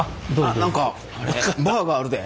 あっ何かバーがあるで。